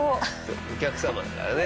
お客様だからね。